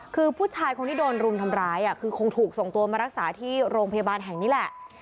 คือผู้ชายคนที่โดนรุมทำร้ายคือคงถูกส่งตัวมารักษาที่โรงพยาบาลแห่งนี้แหละ